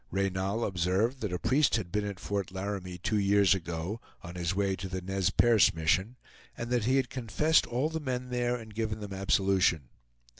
Reynal observed that a priest had been at Fort Laramie two years ago, on his way to the Nez Perce mission, and that he had confessed all the men there and given them absolution.